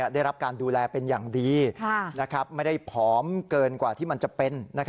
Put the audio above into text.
ได้รับการดูแลเป็นอย่างดีไม่ได้ผอมเกินกว่าที่มันจะเป็น